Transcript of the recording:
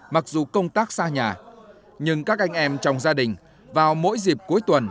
mặc dù công tác xa nhà nhưng các anh em trong gia đình vào mỗi dịp cuối tuần